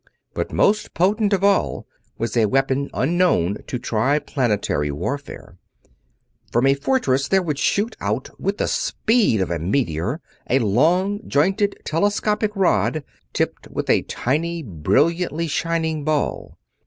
But most potent of all was a weapon unknown to Triplanetary warfare. From a fortress there would shoot out, with the speed of a meteor, a long, jointed, telescopic rod; tipped with a tiny, brilliantly shining ball.